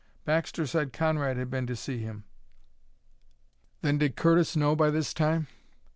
Baxter said Conrad had been to see him then did Curtis know by this time?